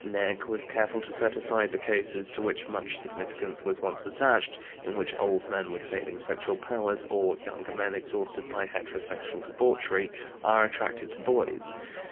Näcke was careful to set aside the cases, to which much significance was once attached, in which old men with failing sexual powers, or younger men exhausted by heterosexual debauchery, are attracted to boys.